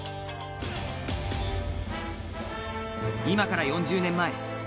今から４０年前。